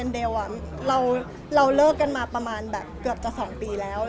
นอกจากคุณพ่อคุณแม่ที่รู้แล้ว